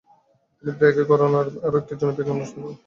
তিনি প্রায় একই ঘরানার আরো একটি জনপ্রিয় গান রচনা করেন -